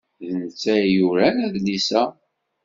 D netta ay yuran adlis-a.